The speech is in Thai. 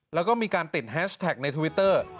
แล้วก็มีการติดแฮชแท็กในทวิตเตอร์